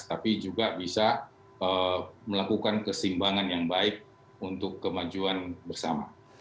tapi juga bisa melakukan kesimbangan yang baik untuk kemajuan bersama